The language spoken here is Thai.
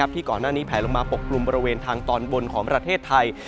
ที่ก่อนหน้านี้แผลลงมาปกกลุ่มบริเวณทางตอนบนของประเทศไทย